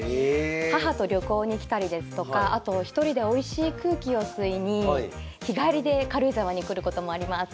母と旅行に来たりですとかあと１人でおいしい空気を吸いに日帰りで軽井沢に来ることもあります。